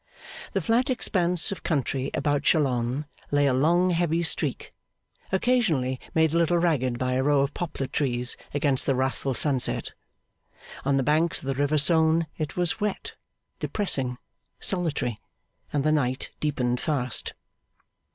The flat expanse of country about Chalons lay a long heavy streak, occasionally made a little ragged by a row of poplar trees against the wrathful sunset. On the banks of the river Saone it was wet, depressing, solitary; and the night deepened fast.